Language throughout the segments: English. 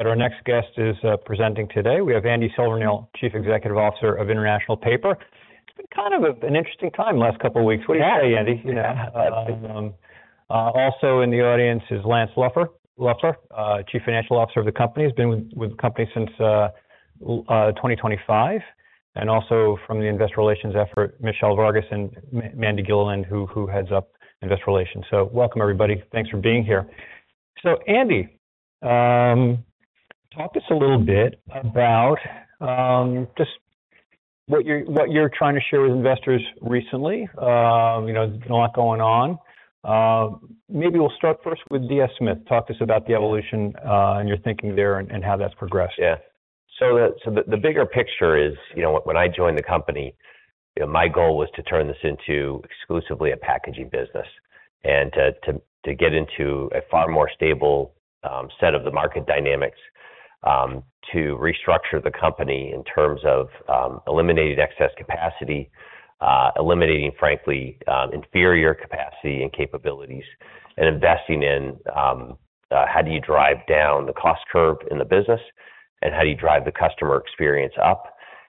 Our next guest is presenting today. We have Andy Silvernail, Chief Executive Officer of International Paper. It's been kind of an interesting time last couple of weeks. What do you say, Andy? Yeah. Yeah, also in the audience is Lance Loeffler, Chief Financial Officer of the company. He's been with the company since 2025, and also from the investor relations effort, Michele Vargas and Mandy Gilliland, who heads up Investor Relations. Welcome, everybody. Thanks for being here. Andy, talk to us a little bit about just what you're trying to share with investors recently. You know, there's a lot going on. Maybe we'll start first with DS Smith. Talk to us about the evolution and your thinking there and how that's progressed. Yeah. The bigger picture is, you know, when I joined the company, my goal was to turn this into exclusively a packaging business, and to get into a far more stable set of the market dynamics. To restructure the company in terms of eliminating excess capacity, eliminating, frankly, inferior capacity and capabilities, and investing in how do you drive down the cost curve in the business? How do you drive the customer experience up?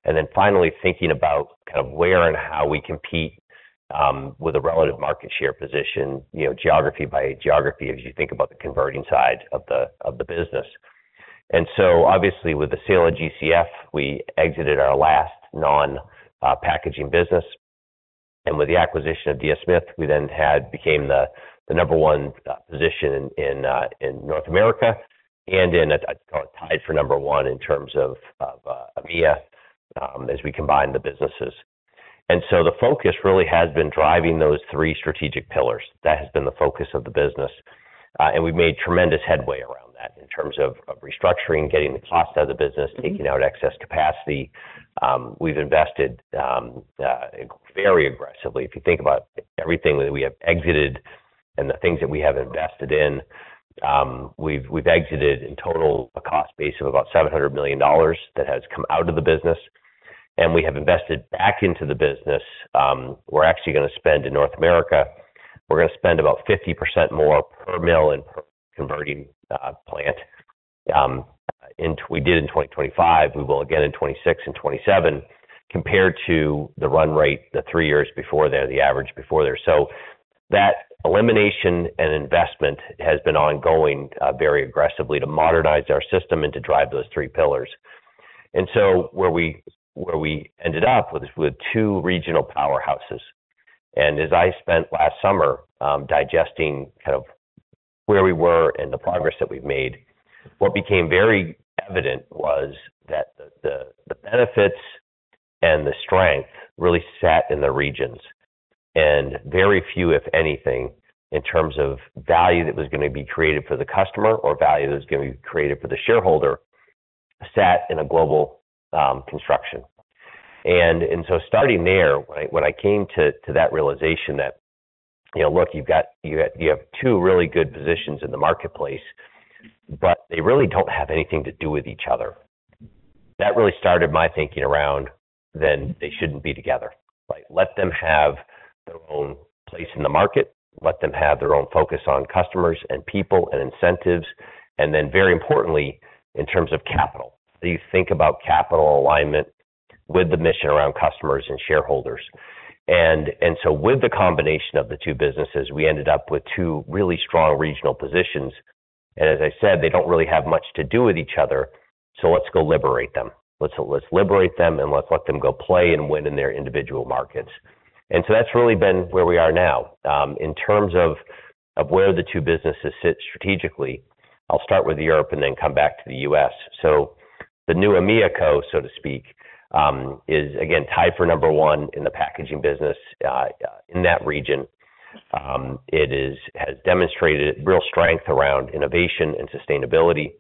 Then finally, thinking about kind of where and how we compete with a relative market share position, you know, geography by geography, as you think about the converting side of the business. Obviously, with the sale of GCF, we exited our last non-packaging business, and with the acquisition of DS Smith, we then had became the number one position in North America, and in tied for number one in terms of EMEA, as we combined the businesses. The focus really has been driving those three strategic pillars. That has been the focus of the business, and we've made tremendous headway around that in terms of restructuring, getting the cost out of the business, taking out excess capacity. We've invested very aggressively. If you think about everything that we have exited and the things that we have invested in, we've exited in total a cost base of about $700 million that has come out of the business. We have invested back into the business. We're actually gonna spend in North America, we're gonna spend about 50% more per mil in converting plant. We did in 2025, we will again in 2026 and 2027, compared to the run rate, the three years before there, the average before there. That elimination and investment has been ongoing very aggressively to modernize our system and to drive those three pillars. Where we ended up was with two regional powerhouses. As I spent last summer, digesting kind of where we were and the progress that we've made, what became very evident was that the benefits and the strength really sat in the regions. Very few, if anything, in terms of value that was gonna be created for the customer or value that was gonna be created for the shareholder, sat in a global construction. Starting there, when I came to that realization that, you know, look, you have two really good positions in the marketplace, but they really don't have anything to do with each other. That really started my thinking around, then they shouldn't be together, right? Let them have their own place in the market, let them have their own focus on customers and people and incentives, and then, very importantly, in terms of capital. You think about capital alignment with the mission around customers and shareholders. With the combination of the two businesses, we ended up with two really strong regional positions, and as I said, they don't really have much to do with each other, so let's go liberate them. Let's liberate them, and let's let them go play and win in their individual markets. That's really been where we are now. In terms of where the two businesses sit strategically, I'll start with Europe and then come back to the U.S. The new EMEA co, so to speak, is again, tied for number one in the packaging business in that region. It has demonstrated real strength around innovation and sustainability.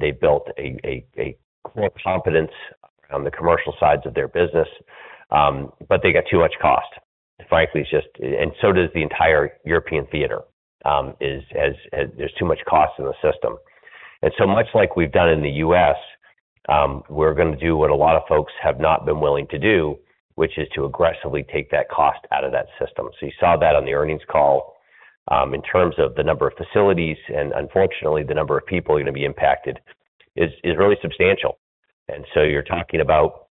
They built a real competence on the commercial sides of their business, but they got too much cost. Frankly, it's just. Does the entire European theater, there's too much cost in the system. Much like we've done in the U.S., we're gonna do what a lot of folks have not been willing to do, which is to aggressively take that cost out of that system. You saw that on the earnings call. In terms of the number of facilities, and unfortunately, the number of people are gonna be impacted, is really substantial. You're talking about,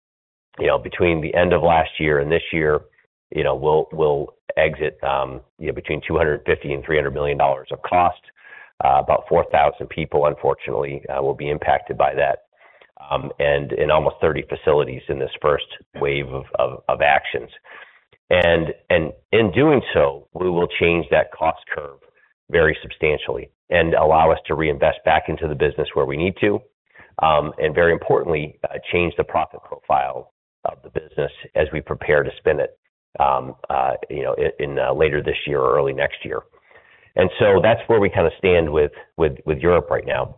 you know, between the end of last year and this year, you know, we'll exit between $250 million-$300 million of cost. About 4,000 people, unfortunately, will be impacted by that, and in almost 30 facilities in this first wave of actions. In doing so, we will change that cost curve very substantially and allow us to reinvest back into the business where we need to. Very importantly, change the profit profile of the business as we prepare to spin it, you know, in later this year or early next year. That's where we kinda stand with Europe right now.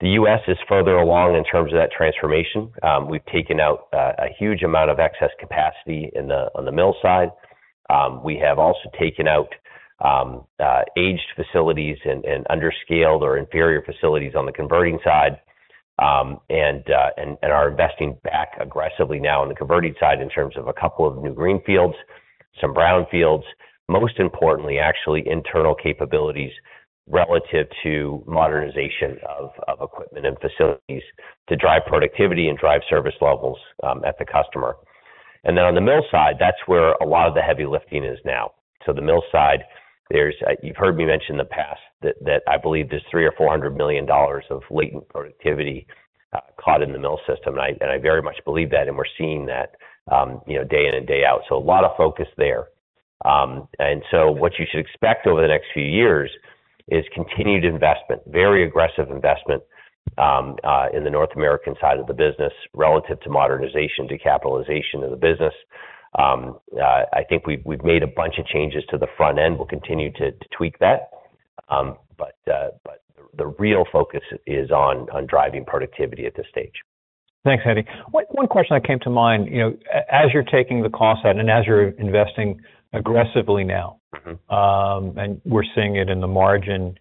The U.S. is further along in terms of that transformation. We've taken out a huge amount of excess capacity on the mill side. We have also taken out aged facilities and under-scaled or inferior facilities on the converting side. Are investing back aggressively now on the converting side in terms of two new greenfields, some brownfields. Most importantly, actually internal capabilities relative to modernization of equipment and facilities to drive productivity and drive service levels at the customer. On the mill side, that's where a lot of the heavy lifting is now. The mill side, there's, you've heard me mention in the past that I believe there's $300 million or $400 million of latent productivity, caught in the mill system, and I very much believe that, and we're seeing that, you know, day in and day out, so a lot of focus there. What you should expect over the next few years is continued investment, very aggressive investment, in the North American side of the business relative to modernization, to capitalization of the business. I think we've made a bunch of changes to the front end. We'll continue to tweak that. The real focus is on driving productivity at this stage. Thanks, Andy. One question that came to mind, you know, as you're taking the cost out and as you're investing aggressively now- Mm-hmm. We're seeing it in the margin,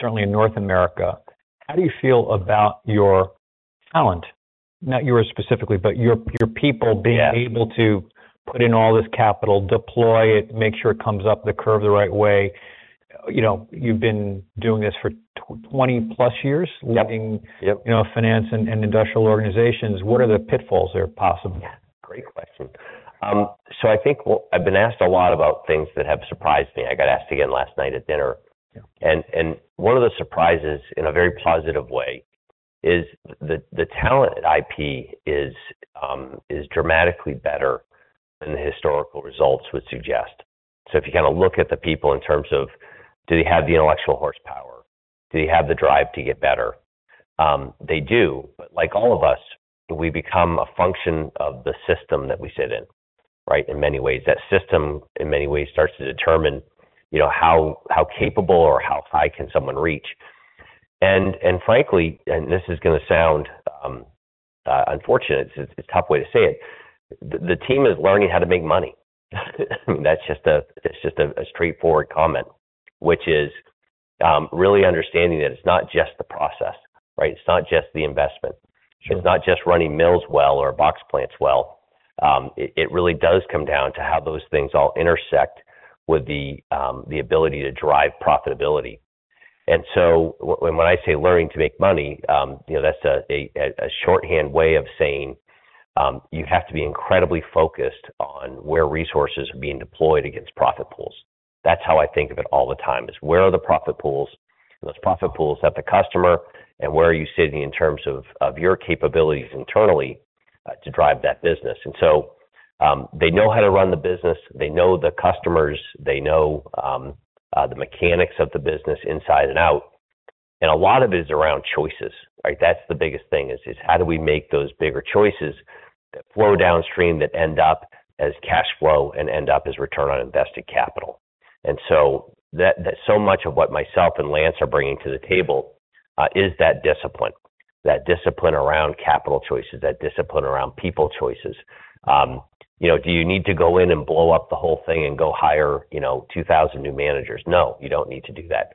certainly in North America, how do you feel about your talent? Not yours specifically, but your people. Yeah being able to put in all this capital, deploy it, make sure it comes up the curve the right way. You know, you've been doing this for 20+ years? Yep. Yep. Leading, you know, finance and industrial organizations. What are the pitfalls there, possibly? Great question. I think I've been asked a lot about things that have surprised me. I got asked again last night at dinner. Yeah. One of the surprises, in a very positive way, is the talent at IP is dramatically better than the historical results would suggest. If you kinda look at the people in terms of, do they have the intellectual horsepower? Do they have the drive to get better? They do. Like all of us, we become a function of the system that we sit in, right? In many ways, that system, in many ways, starts to determine, you know, how capable or how high can someone reach. Frankly, this is gonna sound unfortunate, it's a tough way to say it. The team is learning how to make money. That's just a straightforward comment, which is really understanding that it's not just the process, right? It's not just the investment. Sure. It's not just running mills well or box plants well. It really does come down to how those things all intersect with the ability to drive profitability. When I say learning to make money, you know, that's a shorthand way of saying, you have to be incredibly focused on where resources are being deployed against profit pools. That's how I think of it all the time, is where are the profit pools? Those profit pools at the customer, and where are you sitting in terms of your capabilities internally to drive that business? They know how to run the business, they know the customers, they know the mechanics of the business inside and out, and a lot of it is around choices, right? That's the biggest thing, is how do we make those bigger choices that flow downstream, that end up as cash flow and end up as return on invested capital? So much of what myself and Lance are bringing to the table, is that discipline. That discipline around capital choices, that discipline around people choices. You know, do you need to go in and blow up the whole thing and go hire, you know, 2,000 new managers? No, you don't need to do that.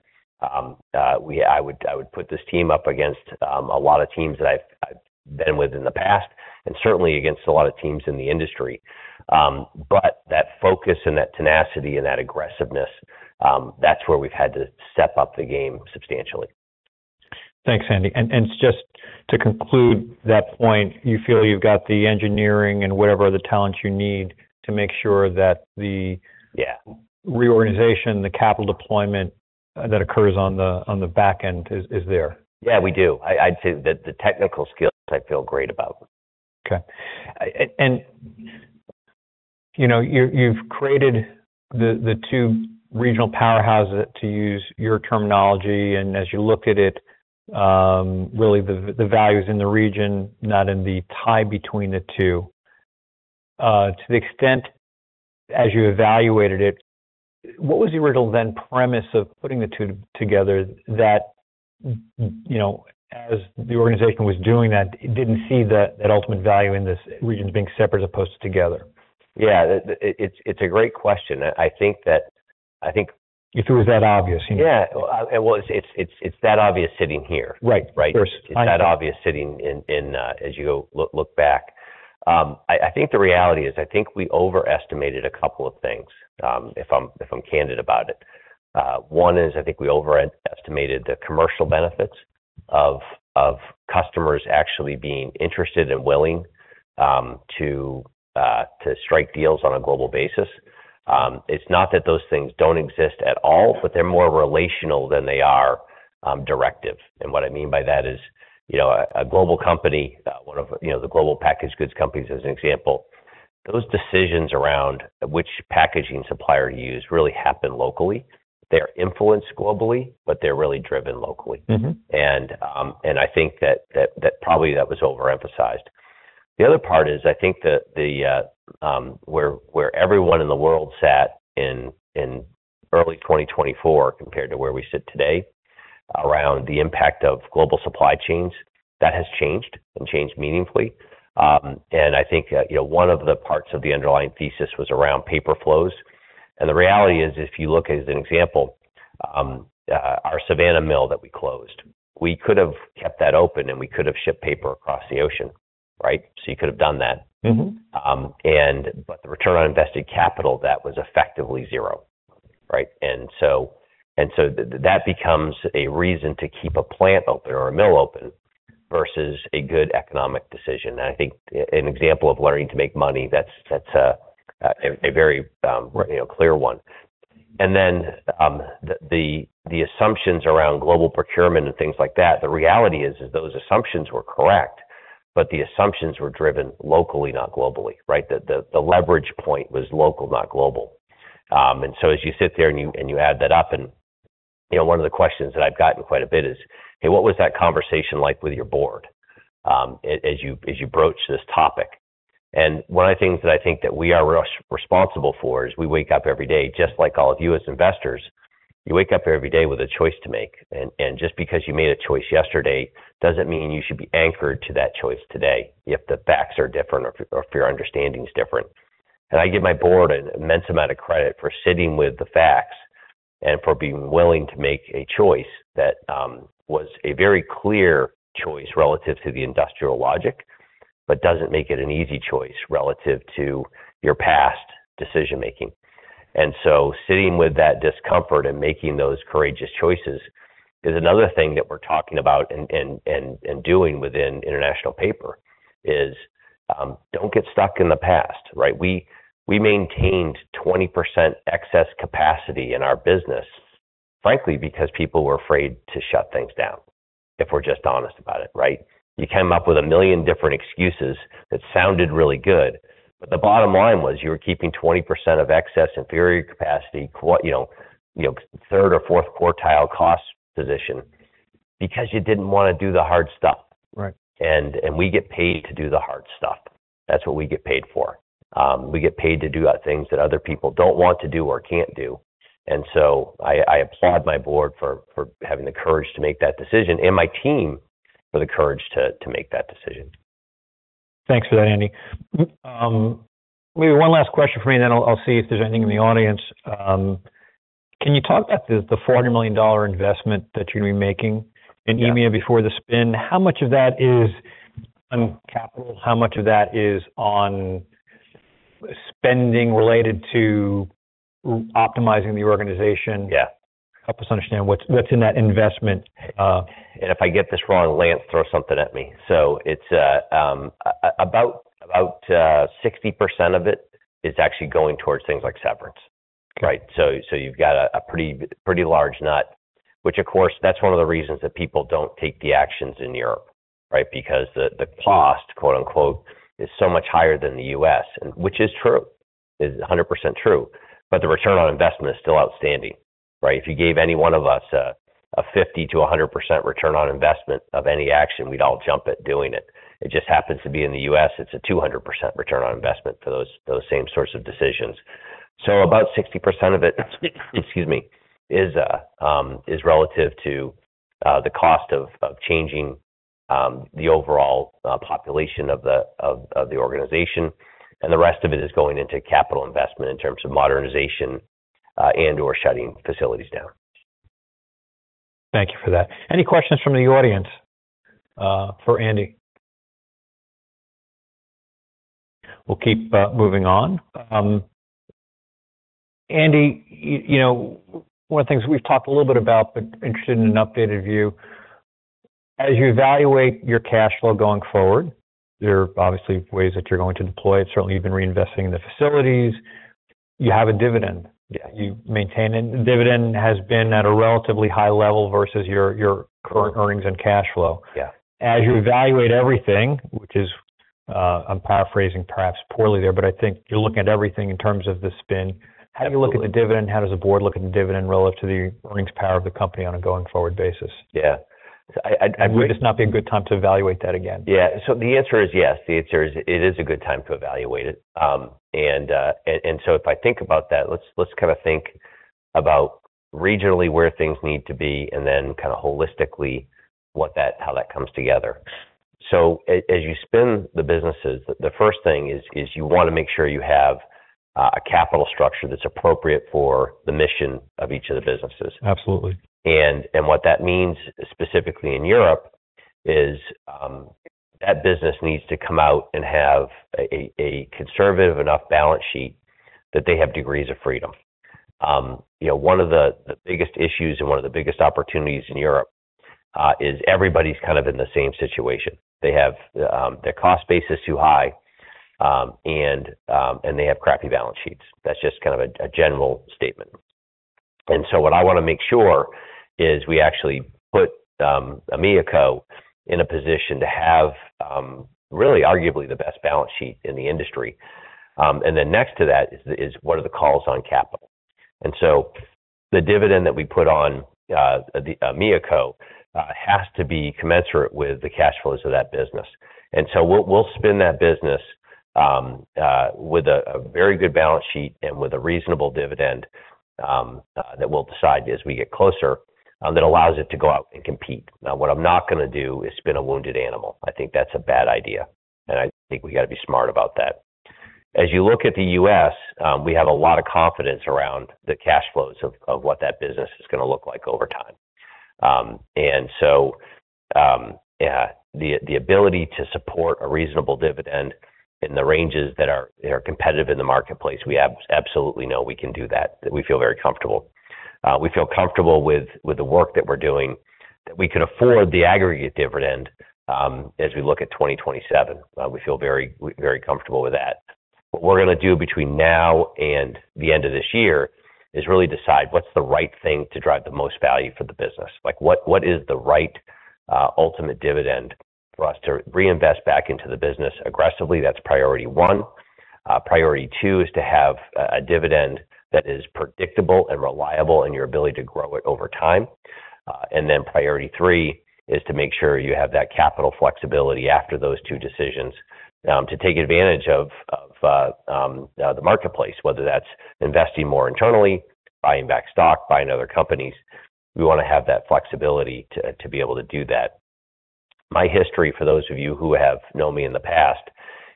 I would put this team up against a lot of teams that I've been with in the past and certainly against a lot of teams in the industry. That focus and that tenacity and that aggressiveness, that's where we've had to step up the game substantially. Thanks, Andy. Just to conclude that point, you feel you've got the engineering and whatever other talents you need to make sure that... Yeah... reorganization, the capital deployment, that occurs on the back end is there? Yeah, we do. I'd say the technical skills I feel great about. Okay. You know, you've created the two regional powerhouses, to use your terminology, and as you look at it, really, the value's in the region, not in the tie between the two. To the extent as you evaluated it, what was the original then premise of putting the two together that, you know, as the organization was doing that, it didn't see the ultimate value in this regions being separate as opposed to together? Yeah, the, it's a great question. I think that. If it was that obvious, you know? Yeah. Well, it's that obvious sitting here. Right. Right? Sure. It's that obvious sitting in as you go look back. I think the reality is, I think we overestimated a couple of things if I'm candid about it. One is, I think we overestimated the commercial benefits of customers actually being interested and willing to strike deals on a global basis. It's not that those things don't exist at all, but they're more relational than they are directive. What I mean by that is, you know, a global company, one of, you know, the global packaged goods companies, as an example, those decisions around which packaging supplier to use really happen locally. They're influenced globally, but they're really driven locally. Mm-hmm. I think that probably that was overemphasized. The other part is, I think, the where everyone in the world sat in early 2024, compared to where we sit today, around the impact of global supply chains, that has changed and changed meaningfully. I think, you know, one of the parts of the underlying thesis was around paper flows. The reality is, if you look at an example, our Savannah mill that we closed, we could have kept that open, and we could have shipped paper across the ocean, right? You could have done that. Mm-hmm. But the return on invested capital, that was effectively zero, right? So that becomes a reason to keep a plant open or a mill open, versus a good economic decision. I think an example of learning to make money, that's a very, you know, clear one. Then, the assumptions around global procurement and things like that, the reality is, those assumptions were correct, but the assumptions were driven locally, not globally, right? The leverage point was local, not global. So as you sit there, and you add that up, and, you know, one of the questions that I've gotten quite a bit is: Hey, what was that conversation like with your Board, as you broach this topic? One of the things that I think that we are responsible for is we wake up every day, just like all of you as investors, you wake up every day with a choice to make. Just because you made a choice yesterday, doesn't mean you should be anchored to that choice today, if the facts are different or if your understanding is different. I give my board an immense amount of credit for sitting with the facts and for being willing to make a choice that was a very clear choice relative to the industrial logic, but doesn't make it an easy choice relative to your past decision-making. Sitting with that discomfort and making those courageous choices is another thing that we're talking about and doing within International Paper, is, don't get stuck in the past, right? We maintained 20% excess capacity in our business, frankly, because people were afraid to shut things down, if we're just honest about it, right? You came up with a million different excuses that sounded really good, but the bottom line was, you were keeping 20% of excess inferior capacity, you know, you know, third or fourth quartile cost position because you didn't want to do the hard stuff. Right. We get paid to do the hard stuff. That's what we get paid for. We get paid to do things that other people don't want to do or can't do. I applaud my board for having the courage to make that decision, and my team, for the courage to make that decision. Thanks for that, Andy. Maybe one last question for me. I'll see if there's anything in the audience. Can you talk about the $40 million investment that you're gonna be making? Yeah... in EMEA before the spin? How much of that is on capital? How much of that is on spending related to optimizing the organization? Yeah. Help us understand what's in that investment? If I get this wrong, Lance, throw something at me. It's about 60% of it is actually going towards things like severance. Okay. Right? You've got a pretty large nut, which, of course, that's one of the reasons that people don't take the actions in Europe, right? Because the cost, quote-unquote, "Is so much higher than the U.S." Which is true. It's 100% true, but the return on investment is still outstanding, right? If you gave any one of us a 50%-100% return on investment of any action, we'd all jump at doing it. It just happens to be in the U.S., it's a 200% return on investment for those same sorts of decisions. About 60% of it, excuse me, is relative to the cost of changing the overall population of the organization, and the rest of it is going into capital investment in terms of modernization, and/or shutting facilities down. Thank you for that. Any questions from the audience, for Andy? We'll keep moving on. Andy, you know, one of the things we've talked a little bit about, but interested in an updated view. As you evaluate your cash flow going forward, there are obviously ways that you're going to deploy it. Certainly, you've been reinvesting in the facilities. You have a dividend. Yeah. Dividend has been at a relatively high level versus your current earnings and cash flow. Yeah. As you evaluate everything, which is, I'm paraphrasing perhaps poorly there. I think you're looking at everything in terms of the spin. Absolutely. How do you look at the dividend? How does the board look at the dividend relative to the earnings power of the company on a going-forward basis? Yeah. I. Would this not be a good time to evaluate that again? The answer is yes. It is a good time to evaluate it. If I think about that, let's kind of think about regionally, where things need to be, and then kind of holistically, how that comes together. As you spin the businesses, the first thing is you wanna make sure you have a capital structure that's appropriate for the mission of each of the businesses. Absolutely. What that means, specifically in Europe, is that business needs to come out and have a conservative enough balance sheet that they have degrees of freedom. You know, one of the biggest issues and one of the biggest opportunities in Europe is everybody's kind of in the same situation. They have. Their cost base is too high, and they have crappy balance sheets. That's just kind of a general statement. What I wanna make sure is we actually put NewCo in a position to have, really, arguably, the best balance sheet in the industry. Then next to that is what are the calls on capital? The dividend that we put on NewCo has to be commensurate with the cash flows of that business. We'll spin that business with a very good balance sheet and with a reasonable dividend that we'll decide as we get closer that allows it to go out and compete. Now, what I'm not gonna do is spin a wounded animal. I think that's a bad idea, and I think we gotta be smart about that. As you look at the U.S., we have a lot of confidence around the cash flows of what that business is gonna look like over time. Yeah, the ability to support a reasonable dividend in the ranges that are competitive in the marketplace, we absolutely know we can do that we feel very comfortable. We feel comfortable with the work that we're doing, that we could afford the aggregate dividend, as we look at 2027. We feel very comfortable with that. What we're gonna do between now and the end of this year, is really decide what's the right thing to drive the most value for the business. What is the right ultimate dividend for us to reinvest back into the business aggressively? That's priority one. Priority two is to have a dividend that is predictable and reliable in your ability to grow it over time. Priority three is to make sure you have that capital flexibility after those two decisions, to take advantage of the marketplace, whether that's investing more internally, buying back stock, buying other companies, we wanna have that flexibility to be able to do that. My history, for those of you who have known me in the past,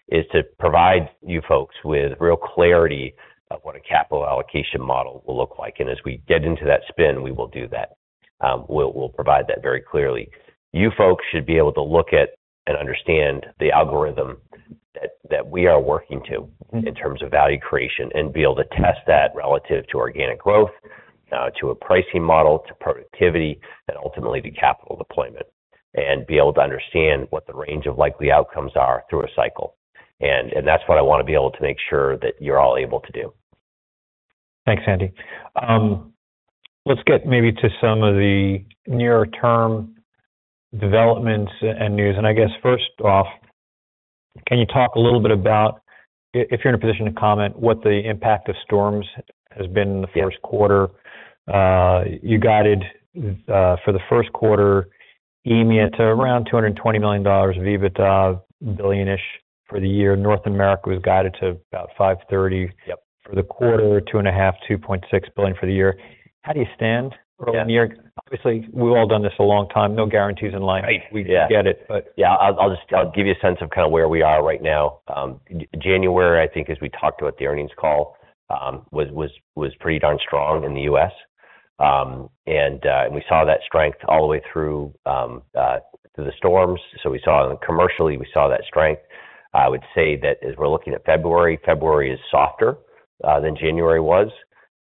is to provide you folks with real clarity of what a capital allocation model will look like. As we get into that spin, we will do that. We'll provide that very clearly. You folks should be able to look at and understand the algorithm that we are working to in terms of value creation, and be able to test that relative to organic growth, to a pricing model, to productivity, and ultimately, to capital deployment. Be able to understand what the range of likely outcomes are through a cycle. That's what I wanna be able to make sure that you're all able to do. Thanks, Andy. Let's get maybe to some of the nearer term developments and news. I guess, first off, can you talk a little bit about, if you're in a position to comment, what the impact of storms has been in the first quarter? Yeah. You guided for the first quarter, EMEA to around $220 million EBITDA, $ billion-ish for the year. North America was guided to about $530- Yep. for the quarter, two and a half, $2.6 billion for the year. How do you stand early in the year? Yeah. Obviously, we've all done this a long time. No guarantees in life. Right. We get it. Yeah, I'll just... I'll give you a sense of kinda where we are right now. January, I think, as we talked about the earnings call, was pretty darn strong in the U.S. We saw that strength all the way through through the storms. Commercially, we saw that strength. I would say that as we're looking at February is softer than January was.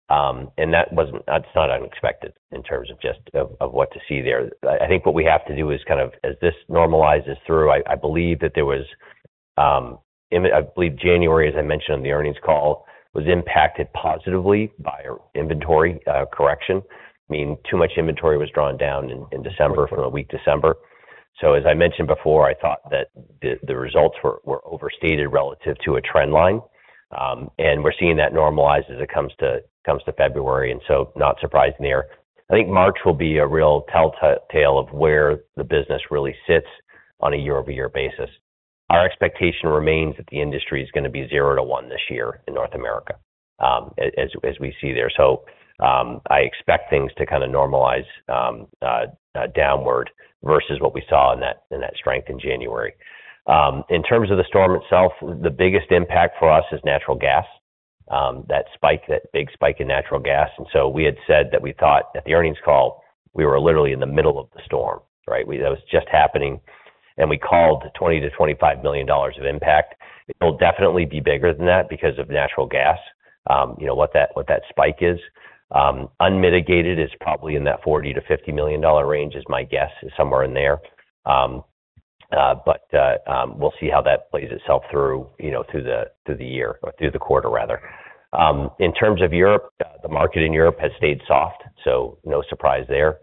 That's not unexpected in terms of just of what to see there. I think what we have to do is kind of as this normalizes through, I believe that there was I believe January, as I mentioned on the earnings call, was impacted positively by inventory correction. Meaning too much inventory was drawn down in December from a weak December. As I mentioned before, I thought that the results were overstated relative to a trend line. We're seeing that normalize as it comes to February, not surprising there. I think March will be a real telltale of where the business really sits on a year-over-year basis. Our expectation remains that the industry is gonna be zero to one this year in North America, as we see there. I expect things to kinda normalize downward versus what we saw in that strength in January. In terms of the storm itself, the biggest impact for us is natural gas. That big spike in natural gas. We had said that we thought at the earnings call, we were literally in the middle of the storm, right? That was just happening, and we called $20 million-$25 million of impact. It will definitely be bigger than that because of natural gas. You know what that spike is. Unmitigated, it's probably in that $40 million-$50 million range, is my guess, is somewhere in there. We'll see how that plays itself through, you know, through the year or through the quarter, rather. In terms of Europe, the market in Europe has stayed soft, no surprise there.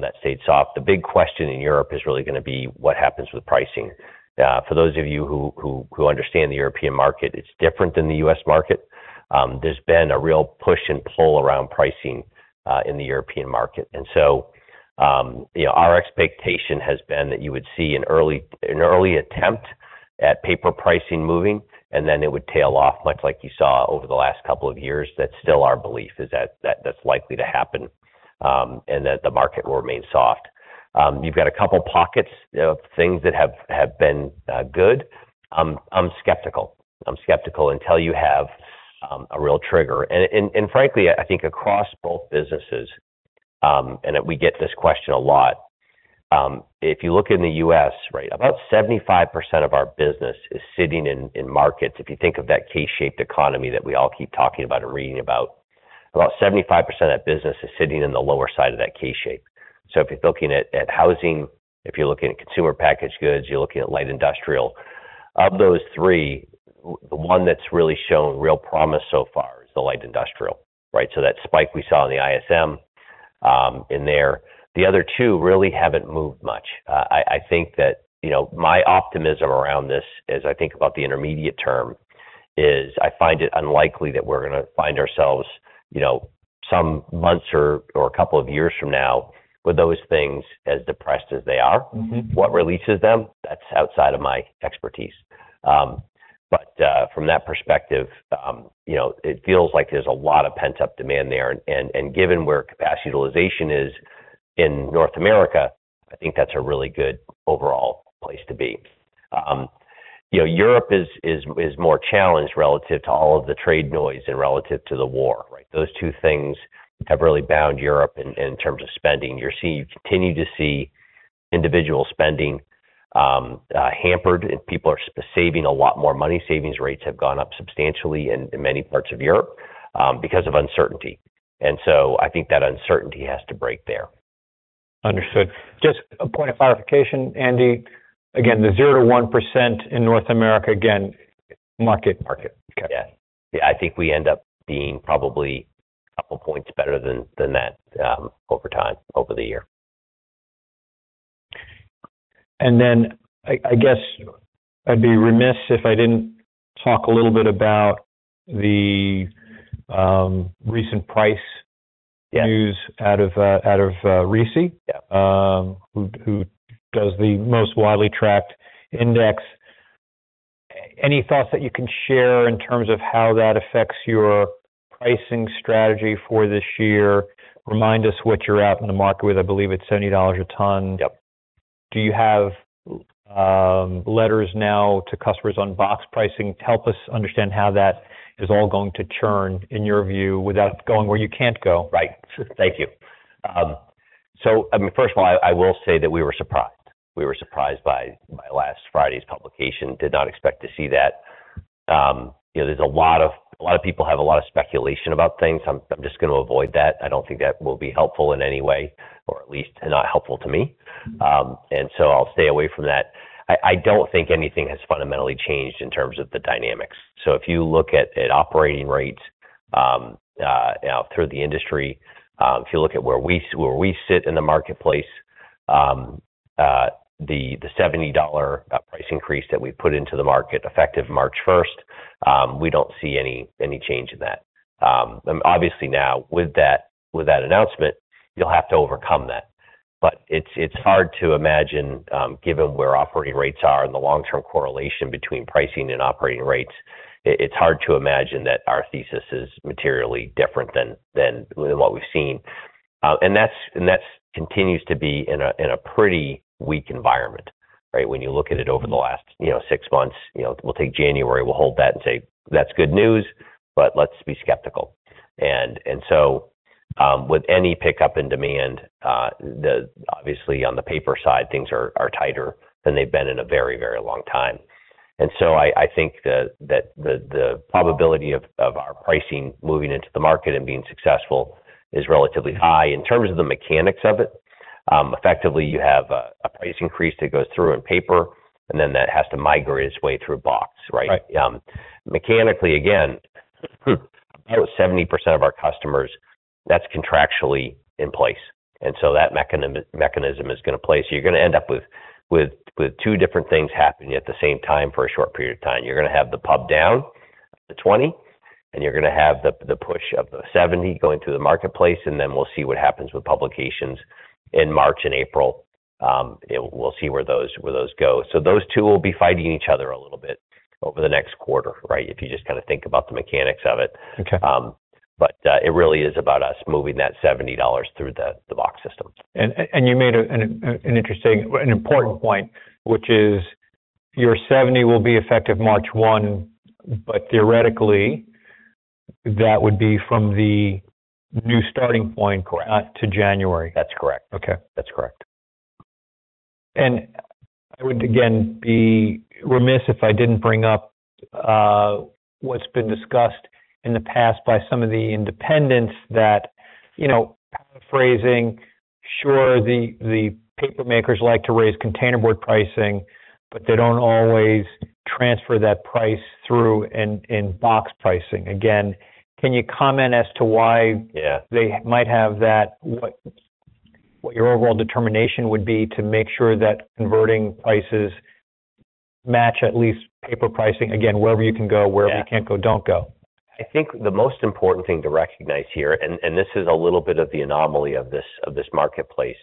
That stayed soft. The big question in Europe is really gonna be: What happens with pricing? For those of you who understand the European market, it's different than the U.S. market. There's been a real push and pull around pricing in the European market. You know, our expectation has been that you would see an early, an early attempt at paper pricing moving, and then it would tail off, much like you saw over the last couple of years. That's still our belief, is that that's likely to happen, and that the market will remain soft. You've got a couple pockets of things that have been good. I'm skeptical. I'm skeptical until you have a real trigger. Frankly, I think across both businesses, and we get this question a lot. If you look in the U.S., right, about 75% of our business is sitting in markets. If you think of that K-shaped economy that we all keep talking about and reading about 75% of that business is sitting in the lower side of that K-shape. If you're looking at housing, if you're looking at consumer packaged goods, you're looking at light industrial. Of those three, the one that's really shown real promise so far is the light industrial, right? That spike we saw in the ISM in there, the other two really haven't moved much. I think that, you know, my optimism around this as I think about the intermediate term is, I find it unlikely that we're gonna find ourselves, you know, some months or a couple of years from now, with those things as depressed as they are. Mm-hmm. What releases them? That's outside of my expertise. But from that perspective, you know, it feels like there's a lot of pent-up demand there. Given where capacity utilization is in North America, I think that's a really good overall place to be. You know, Europe is more challenged relative to all of the trade noise and relative to the war, right? Those two things have really bound Europe in terms of spending. You continue to see individual spending hampered, and people are saving a lot more money. Savings rates have gone up substantially in many parts of Europe because of uncertainty, and so I think that uncertainty has to break there. Understood. Just a point of clarification, Andy. Again, the 0%-1% in North America, again, market? Market. Okay. I think we end up being probably a couple points better than that, over time, over the year. I guess I'd be remiss if I didn't talk a little bit about the recent. Yeah news out of, out of, RISI Yeah who does the most widely tracked index. Any thoughts that you can share in terms of how that affects your pricing strategy for this year? Remind us what you're out in the market with. I believe it's $70 a ton. Yep. Do you have letters now to customers on box pricing? Help us understand how that is all going to churn, in your view, without going where you can't go. Right. Thank you. I mean, first of all, I will say that we were surprised. We were surprised by last Friday's publication. Did not expect to see that. You know, there's a lot of people have a lot of speculation about things. I'm just gonna avoid that. I don't think that will be helpful in any way, or at least not helpful to me. I'll stay away from that. I don't think anything has fundamentally changed in terms of the dynamics. If you look at operating rates, you know, through the industry, if you look at where we sit in the marketplace, the $70 price increase that we put into the market, effective March 1st, we don't see any change in that. Obviously now, with that announcement, you'll have to overcome that. It's hard to imagine, given where operating rates are and the long-term correlation between pricing and operating rates, it's hard to imagine that our thesis is materially different than what we've seen. That continues to be in a pretty weak environment, right? When you look at it over the last, you know, six months, you know, we'll take January, we'll hold that and say, "That's good news, but let's be skeptical." So, with any pickup in demand, obviously, on the paper side, things are tighter than they've been in a very, very long time. So I think that the probability of our pricing moving into the market and being successful is relatively hight In terms of the mechanics of it, effectively, you have a price increase that goes through in paper, and then that has to migrate its way through box, right? Right. Mechanically, again, 70% of our customers, that's contractually in place, that mechanism is gonna play. You're gonna end up with two different things happening at the same time for a short period of time. You're gonna have the pulp down to 20, you're gonna have the push of the 70 going through the marketplace, we'll see what happens with publications in March and April. We'll see where those go. Those two will be fighting each other a little bit over the next quarter, right? If you just kinda think about the mechanics of it. Okay. It really is about us moving that $70 through the box system. You made an interesting, an important point, which is your 70 will be effective March 1, but theoretically, that would be from the new starting point. Correct... to January. That's correct. Okay. That's correct. I would, again, be remiss if I didn't bring up, what's been discussed in the past by some of the independents that, you know, paraphrasing, sure, the paper makers like to raise containerboard pricing, but they don't always transfer that price through in box pricing. Can you comment as to why? Yeah... they might have that? What your overall determination would be to make sure that converting prices match at least paper pricing? Again, wherever you can go. Yeah. Wherever you can't go, don't go. I think the most important thing to recognize here, and this is a little bit of the anomaly of this marketplace,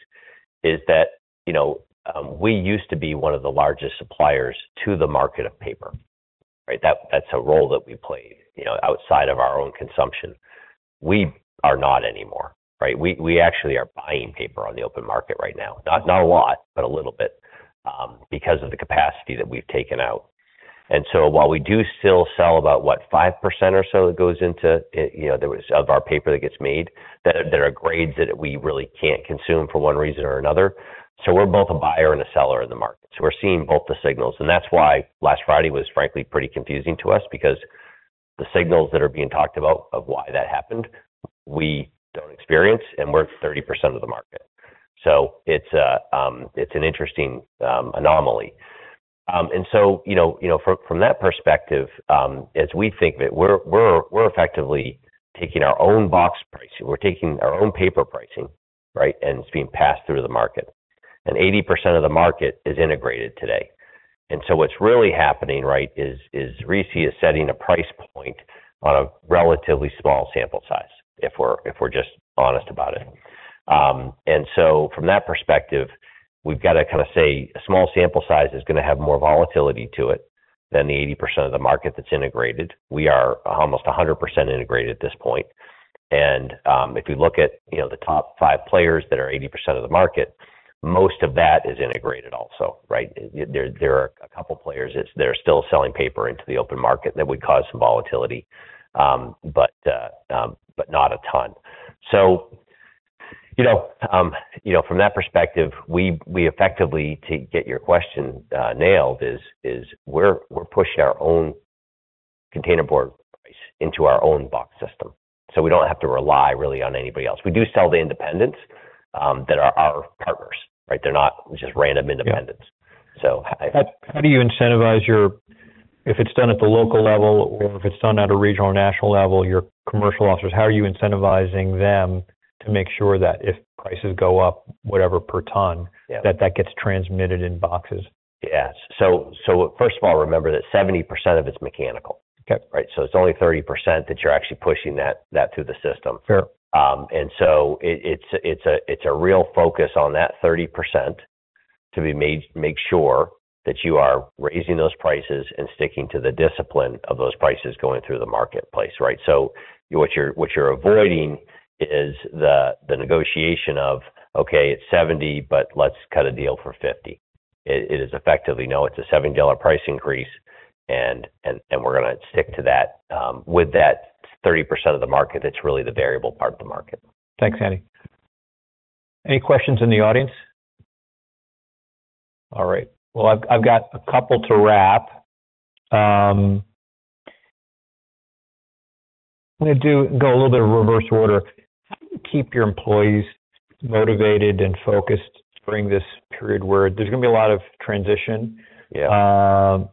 is that, you know, we used to be one of the largest suppliers to the market of paper, right. That's a role that we played, you know, outside of our own consumption. We are not anymore, right. We actually are buying paper on the open market right now. Not a lot, but a little bit, because of the capacity that we've taken out. While we do still sell about, what, 5% or so that goes into, you know, Of our paper that gets made, that are grades that we really can't consume for one reason or another. We're both a buyer and a seller in the market, so we're seeing both the signals. That's why last Friday was, frankly, pretty confusing to us because the signals that are being talked about, of why that happened, we don't experience, and we're 30% of the market. It's an interesting anomaly. You know, from that perspective, as we think that we're effectively taking our own box pricing, we're taking our own paper pricing, right? It's being passed through the market, and 80% of the market is integrated today. What's really happening, right, is RISI is setting a price point on a relatively small sample size, if we're just honest about it. From that perspective, we've got to kind of say a small sample size is gonna have more volatility to it than the 80% of the market that's integrated. We are almost 100% integrated at this point. If you look at, you know, the top five players that are 80% of the market, most of that is integrated also, right? There are a couple players that they're still selling paper into the open market that would cause some volatility, but not a ton. You know, from that perspective, we effectively, to get your question nailed is, we're pushing our own containerboard price into our own box system, so we don't have to rely really on anybody else. We do sell to independents that are our partners, right? They're not just random independents. Yeah. So I- How do you incentivize if it's done at the local level or if it's done at a regional or national level, your commercial officers, how are you incentivizing them to make sure that if prices go up, whatever, per ton? Yeah... that gets transmitted in boxes? Yes. First of all, remember that 70% of it's mechanical. Okay. Right? It's only 30% that you're actually pushing that through the system. Sure. It's a real focus on that 30% make sure that you are raising those prices and sticking to the discipline of those prices going through the marketplace, right. What you're avoiding is the negotiation of, "Okay, it's 70, but let's cut a deal for 50." It is effectively, "No, it's a $7 price increase, and we're gonna stick to that," with that 30% of the market, that's really the variable part of the market. Thanks, Andy. Any questions in the audience? All right. Well, I've got a couple to wrap. I'm gonna go a little bit of reverse order. How do you keep your employees motivated and focused during this period where there's gonna be a lot of transition? Yeah.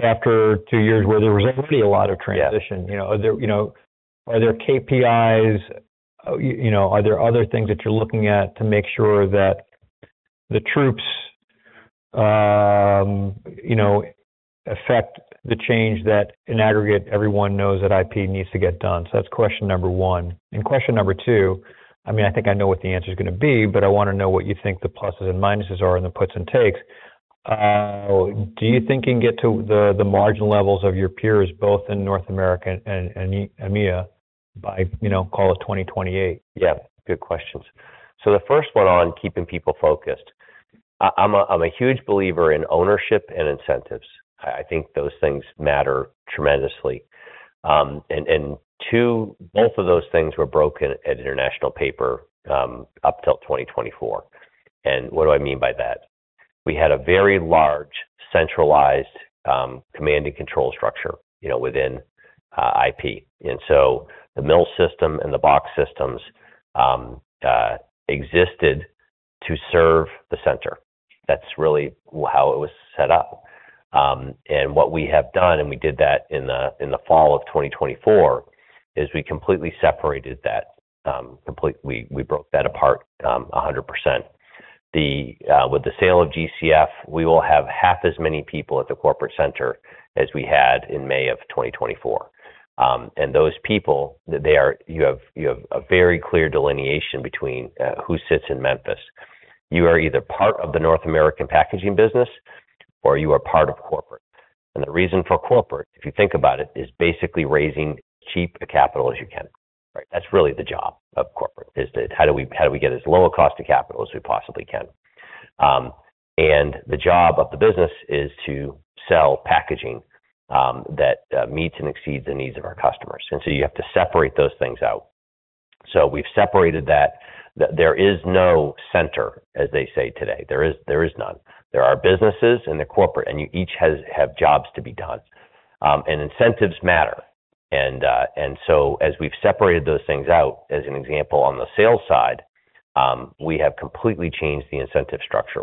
After two years where there was already a lot of transition. Yeah. You know, are there, you know, are there KPIs? You know, are there other things that you're looking at to make sure that the troops, you know, affect the change that in aggregate, everyone knows that IP needs to get done? That's question number One. Question number two, I mean, I think I know what the answer is gonna be, but I want to know what you think the pluses and minuses are and the puts and takes. Do you think you can get to the margin levels of your peers, both in North America and EMEA, by, you know, call it 2028? Yeah, good questions. The first one on keeping people focused. I'm a huge believer in ownership and incentives. I think those things matter tremendously. And two, both of those things were broken at International Paper up till 2024. What do I mean by that? We had a very large centralized command and control structure, you know, within IP. The mill system and the box systems existed to serve the center. That's really how it was set up. What we have done, and we did that in the fall of 2024, is we completely separated that. We broke that apart 100%. With the sale of GCF, we will have half as many people at the corporate center as we had in May of 2024. Those people, you have a very clear delineation between who sits in Memphis. You are either part of the North American packaging business or you are part of corporate. The reason for corporate, if you think about it, is basically raising cheap capital as you can, right? That's really the job of corporate, is to how do we get as low a cost of capital as we possibly can? The job of the business is to sell packaging that meets and exceeds the needs of our customers, you have to separate those things out. We've separated that. There is no center, as they say today. There is none. There are businesses and the corporate, and you each have jobs to be done. Incentives matter. As we've separated those things out, as an example, on the sales side, we have completely changed the incentive structure.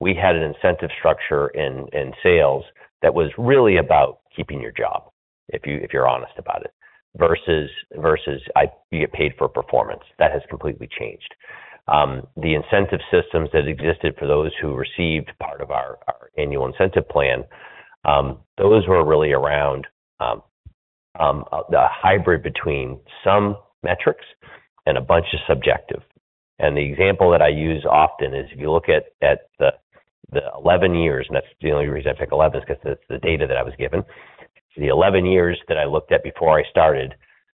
We had an incentive structure in sales that was really about keeping your job, if you're honest about it, versus you get paid for performance. That has completely changed. The incentive systems that existed for those who received part of our annual incentive plan, those were really around a hybrid between some metrics and a bunch of subjective. The example that I use often is, if you look at the 11 years, and that's the only reason I pick 11, is 'cause that's the data that I was given. The 11 years that I looked at before I started,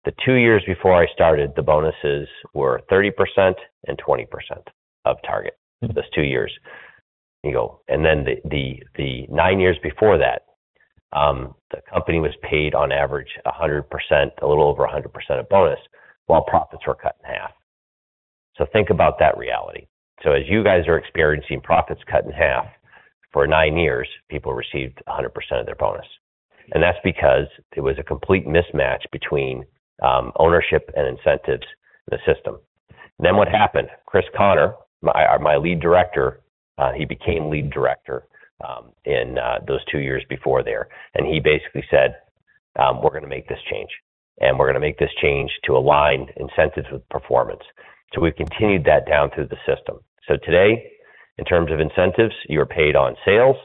the two years before I started, the bonuses were 30% and 20% of target, those two years. The nine years before that, the company was paid on average 100%, a little over 100% of bonus, while profits were cut in half. Think about that reality. As you guys are experiencing profits cut in half for nine years, people received 100% of their bonus. That's because there was a complete mismatch between ownership and incentives in the system. What happened? Chris Connor, my lead director, he became lead director in those two years before there, and he basically said: We're gonna make this change, and we're gonna make this change to align incentives with performance. We've continued that down through the system. Today, in terms of incentives, you are paid on sales.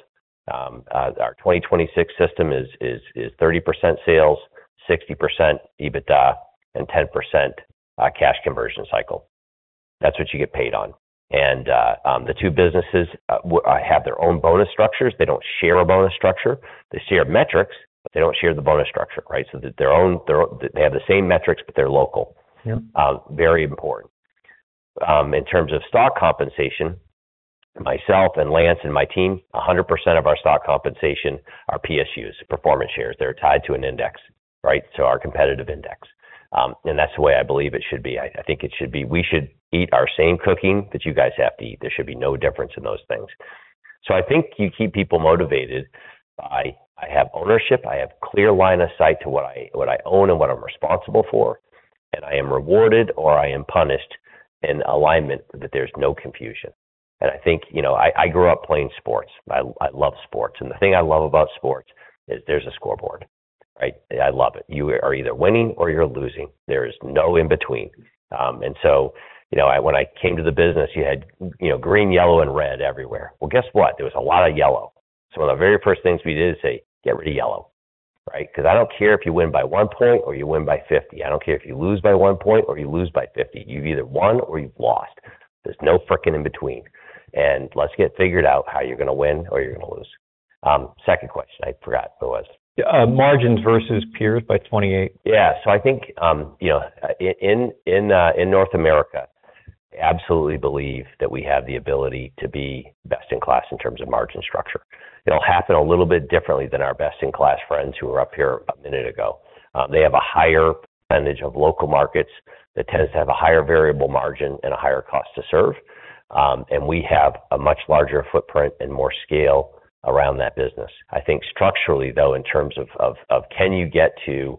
Our 2026 system is 30% sales, 60% EBITDA, and 10% cash conversion cycle. That's what you get paid on. The two businesses have their own bonus structures. They don't share a bonus structure. They share metrics, but they don't share the bonus structure, right? They have the same metrics, but they're local. Yep. Very important. In terms of stock compensation, myself and Lance and my team, 100% of our stock compensation are PSUs, performance shares. They're tied to an index, right? Our competitive index. That's the way I believe it should be. We should eat our same cooking that you guys have to eat. There should be no difference in those things. I think you keep people motivated by, I have ownership, I have clear line of sight to what I, what I own and what I'm responsible for, and I am rewarded or I am punished in alignment, that there's no confusion. I think, you know, I grew up playing sports. I love sports, and the thing I love about sports is there's a scoreboard, right? I love it. You are either winning or you're losing. There is no in between. you know, when I came to the business, you had, you know, green, yellow, and red everywhere. Well, guess what? There was a lot of yellow. One of the very first things we did is say, "Get rid of yellow," right? Because I don't care if you win by one point or you win by 50. I don't care if you lose by one point or you lose by 50. You've either won or you've lost. There's no freaking in between, and let's get figured out how you're gonna win or you're gonna lose. Second question, I forgot what it was. Margins versus peers by 2028. I think, you know, in North America, I absolutely believe that we have the ability to be best in class in terms of margin structure. It'll happen a little bit differently than our best-in-class friends who were up here a minute ago. They have a higher percentage of local markets that tends to have a higher variable margin and a higher cost to serve. We have a much larger footprint and more scale around that business. I think structurally, though, in terms of can you get to, you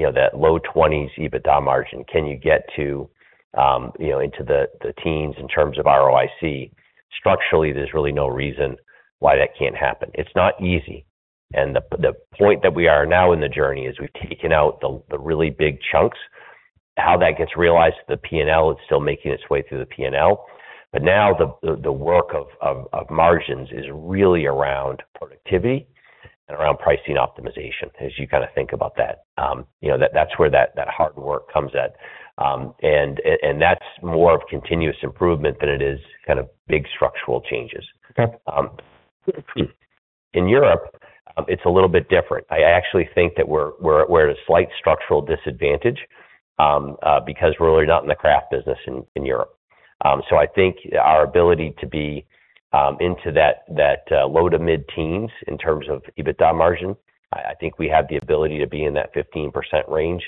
know, that low 20s EBITDA margin? Can you get to, you know, into the teens in terms of ROIC? Structurally, there's really no reason why that can't happen. It's not easy. The point that we are now in the journey is we've taken out the really big chunks. How that gets realized, the P&L is still making its way through the P&L. Now the work of margins is really around productivity and around pricing optimization. As you kind of think about that, you know, that's where that hard work comes at. That's more of continuous improvement than it is kind of big structural changes. Okay. In Europe, it's a little bit different. I actually think that we're at a slight structural disadvantage because we're really not in the kraft business in Europe. I think our ability to be into that low to mid-teens% in terms of EBITDA margin, I think we have the ability to be in that 15% range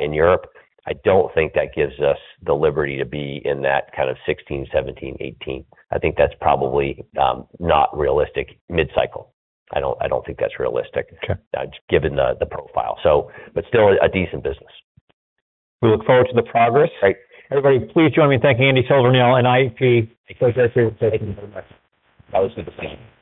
in Europe. I don't think that gives us the liberty to be in that kind of 16%, 17%, 18%. I think that's probably not realistic mid-cycle. I don't think that's realistic. Okay. Given the profile, still a decent business. We look forward to the progress. Great. Everybody, please join me in thanking Andy Silvernail and IP. Thank you so much. Thank you. Always good to see you.